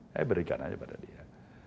saya berikan aja pada dia